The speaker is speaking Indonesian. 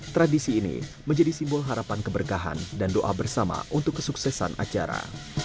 tradisi ini menjadi simbol harapan keberkahan dan doa bersama untuk kesuksesan acara